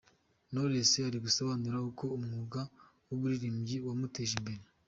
Knowless ari gusobanura uko umwuga w’uburirimbyi wamuteje imbere.